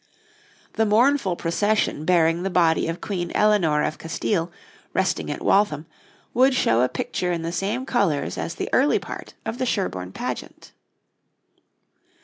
The mournful procession bearing the body of Queen Eleanor of Castile, resting at Waltham, would show a picture in the same colours as the early part of the Sherborne Pageant.